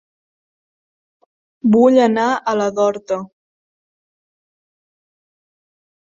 Vull anar a la d'Horta.